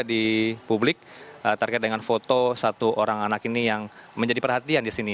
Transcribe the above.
di publik terkait dengan foto satu orang anak ini yang menjadi perhatian di sini